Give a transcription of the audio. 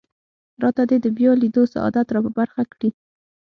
راته دې د بیا لیدو سعادت را په برخه کړي.